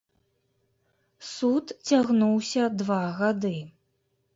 Суд цягнуўся два гады.